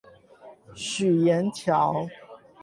許顏橋